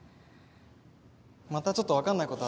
またちょっとわかんないことあったら